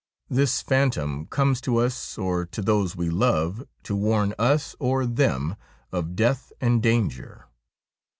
This phantom comes to us or to those we love to warn us or them of death and danger.'